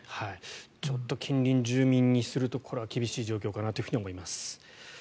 ちょっと近隣住民にするとこれは厳しい状況かなと思います。